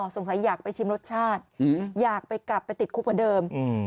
อ๋อสงสัยอยากไปชิมรสชาติอยากไปกลับไปติดคุกเหมือนเดิมอืม